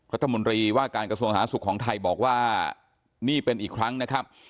รัฐมนตรีว่าการกระทรวงสาธารสุขของไทยบอกว่านี่เป็นอีกครั้งนะครับ